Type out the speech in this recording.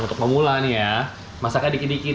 untuk memula nih ya masaknya dikit dikit